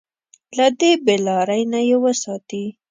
له دې بې لارۍ نه يې وساتي.